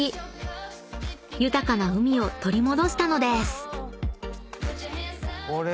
［豊かな海を取り戻したのです］